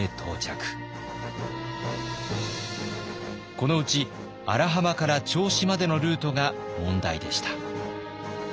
このうち荒浜から銚子までのルートが問題でした。